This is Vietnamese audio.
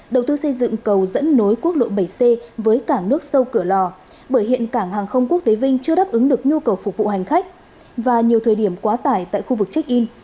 đầu tư xây dựng cầu dẫn nối quốc lộ bảy c với cảng nước sâu cửa lò bởi hiện cảng hàng không quốc tế vinh chưa đáp ứng được nhu cầu phục vụ hành khách và nhiều thời điểm quá tải tại khu vực check in